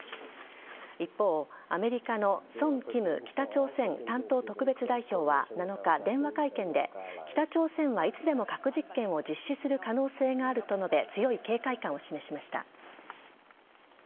一方、アメリカのソン・キム北朝鮮担当特別代表は７日電話会見で、北朝鮮はいつでも核実験を実施する可能性があると述べ強い警戒感を示しました。